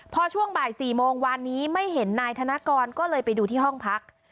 พอช่วงบ่าย๔โมงวานนี้ไม่เห็นนายธนกรก็เลยไปดูที่ห้องพัก